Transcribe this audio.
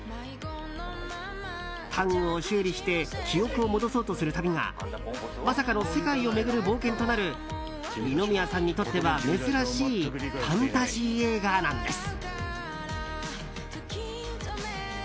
タングを修理して記憶を戻そうとする旅がまさかの世界を巡る冒険となる二宮さんにとっては珍しいファンタジー映画なんです。